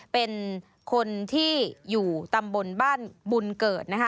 เป็นคนที่อยู่ตำบลบ้านบุญเกิดนะคะ